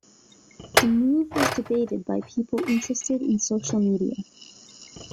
The move was debated by people interested in social media.